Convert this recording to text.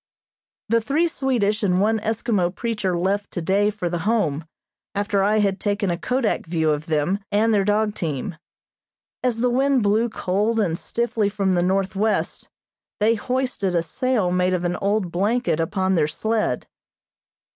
The three Swedish and one Eskimo preacher left today for the Home, after I had taken a kodak view of them, and their dog team. As the wind blew cold and stiffly from the northwest, they hoisted a sail made of an old blanket upon their sled.